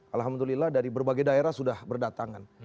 alhamdulillah dari berbagai daerah sudah berdatangan